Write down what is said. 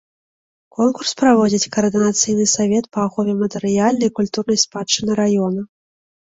Конкурс праводзіць каардынацыйны савет па ахове матэрыяльнай і культурнай спадчыны раёна.